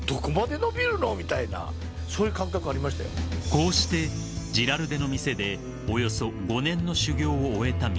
［こうしてジラルデの店でおよそ５年の修業を終えた三國］